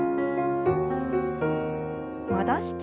戻して。